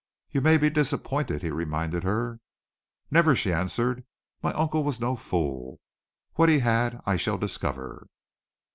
"You may be disappointed," he reminded her. "Never!" she answered. "My uncle was no fool. What he had I shall discover."